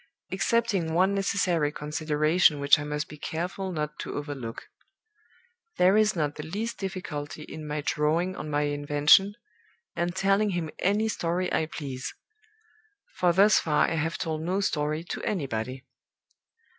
Excepting one necessary consideration which I must be careful not to overlook. There is not the least difficulty in my drawing on my invention, and telling him any story I please for thus far I have told no story to anybody.